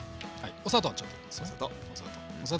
お砂糖。